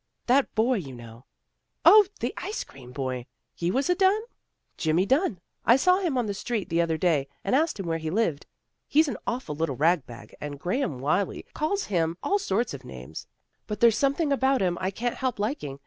That boy, you know "" 0, the ice cream boy! Was he a Dunn? "" Jimmy Dunn. I saw him on the street the other day, and asked him where he lived. He's an awful little rag bag, and Graham Wylie calls him all sorts of names, but there's some thing about him I can't help liking.